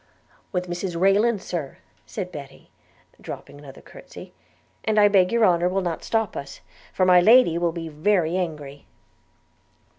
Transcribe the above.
'With Mrs Rayland, Sir,' said Betty, dropping another curtsey; 'and I beg your honour will not stop us, for my Lady will be very angry.'